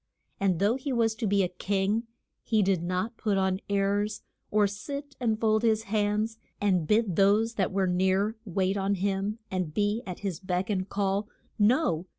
And though he was to be a king he did not put on airs, or sit and fold his hands and bid those that were near wait on him and be at his beck and call. No!